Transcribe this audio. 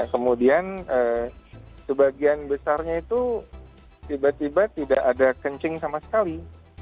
kemudian sebagian besarnya itu tiba tiba tidak ada kencing sama sekali